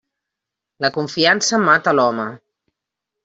La confiança mata l'home.